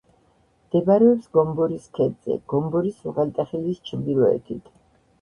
მდებარეობს გომბორის ქედზე, გომბორის უღელტეხილის ჩრდილოეთით.